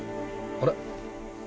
あれ？